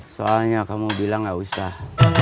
soalnya kamu bilang gak usah